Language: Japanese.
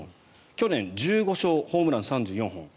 去年１５勝、ホームラン３４本。